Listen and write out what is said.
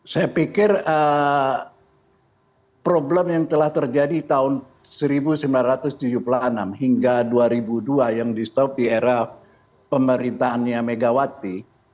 saya pikir problem yang telah terjadi tahun seribu sembilan ratus tujuh puluh enam hingga dua ribu dua yang di stop di era pemerintahannya megawati